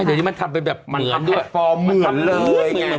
เดี๋ยวมันทำเป็นแบบแท็คฟอร์มเหมือนเลย